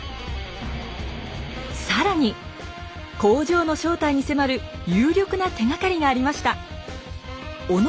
更に工場の正体に迫る有力な手がかりがありました。